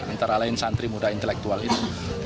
antara lain santri muda intelektual ini